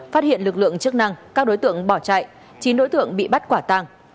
phát hiện lực lượng chức năng các đối tượng bỏ chạy chín đối tượng bị bắt quả tàng